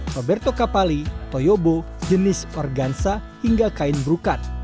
roberto capali toyobo jenis organza hingga kain brukat